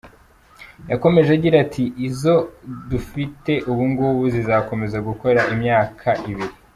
Yakomeje agira ati “Izo dufite ubungubu zizakomeza gukora imyaka ibiri.